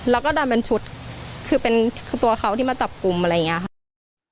แล้วก็ดันเป็นชุดคือเป็นตัวเขาที่มาจับกลุ่มอะไรอย่างนี้ค่ะ